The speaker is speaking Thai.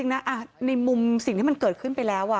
ในมุมสิ่งที่มันเกิดขึ้นไปแล้ว